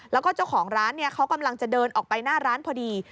แล้วก็เจ้าของร้านเขากำลังจะเดินออกไปหน้าร้านพอดี